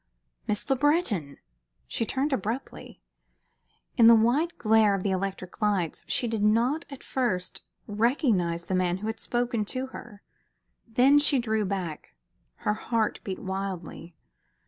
"Miss Le Breton!" She turned abruptly. In the white glare of the electric lights she did not at first recognize the man who had spoken to her. Then she drew back. Her heart beat wildly.